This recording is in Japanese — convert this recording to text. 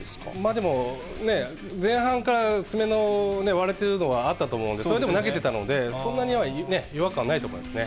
でも、前半から爪の割れてるのはあったと思うんで、それでも投げてたので、そんなには違和感ないと思いますね。